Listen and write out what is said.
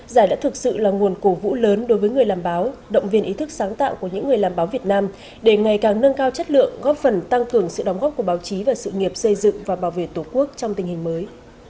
giải đã thực sự là nguồn cổ vũ lớn đối với người làm báo động viên ý thức sáng tạo của những người làm báo việt nam để ngày càng nâng cao chất lượng góp phần tăng cường sự đóng góp của báo chí và sự nghiệp xây dựng và bảo vệ tổ quốc trong tình hình mới